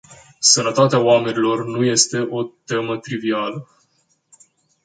Sănătatea oamenilor nu este o temă trivială.